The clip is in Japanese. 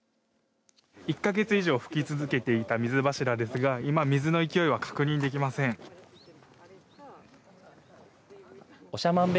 １か月以上、噴き続けていた水柱ですが今、水の勢いは確認できません。